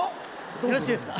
よろしいですか？